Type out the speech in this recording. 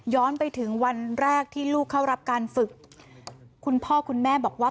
ไปถึงวันแรกที่ลูกเข้ารับการฝึกคุณพ่อคุณแม่บอกว่า